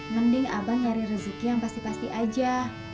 mending abang nyari rezeki yang pasti pasti aja